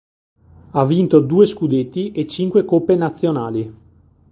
Ha vinto due scudetti e cinque coppe nazionali.